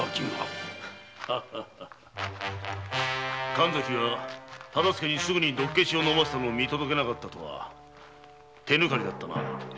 神崎がすぐに毒消しを飲ませたのを見届けなかったとは手抜かりだったな。